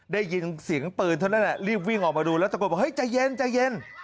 ได้ยินเสียงปืนเท่านั้นแหละรีบวิ่งออกมาดูแล้วตะโกนบอกเฮ้ยใจเย็นใจเย็น